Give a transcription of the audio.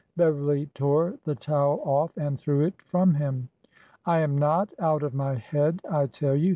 Beverly tore the towel off and threw it from him. " I am not out of my head, I tell you